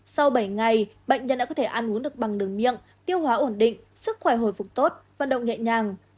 sau bảy ngày bệnh nhân đã có thể ăn uống được bằng đường nhựa tiêu hóa ổn định sức khỏe hồi phục tốt vận động nhẹ nhàng